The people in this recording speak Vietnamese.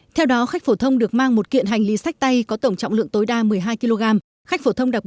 theo đó khách phổ thông được mang một kiện hành lý sách tay có tổng trọng lượng tối đa một mươi hai kg